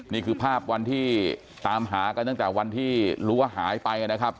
นี่คือภาพวันที่ตามหากันตั้งแต่วันที่รู้ว่าหายไปนะครับ